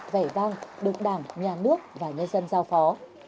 vẻ vang được đảng nhà nước và nhân dân giao phó